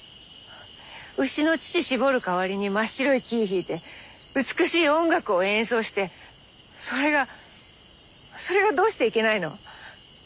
牛の乳搾る代わりに真っ白いキー弾いて美しい音楽を演奏してそれがそれがどうしていけないの？